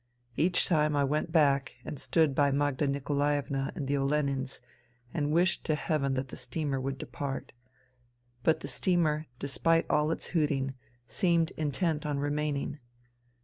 Each time I went back and stood by Magda Nikolaevna and the Olenins and wished to heaven that the steamer would depart. But the steamer, despite all its hooting, seemed intent on remaining.